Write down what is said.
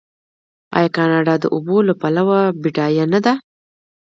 آیا کاناډا د اوبو له پلوه بډایه نه ده؟